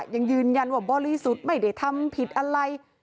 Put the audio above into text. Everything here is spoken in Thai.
ยังยืนยันว่าบริสุทธิ์ไม่ได้ทำผิดอะไร